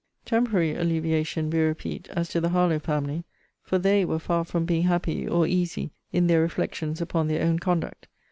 Temporary alleviation, we repeat, as to the Harlowe family; for THEY were far from being happy or easy in their reflections upon their own conduct.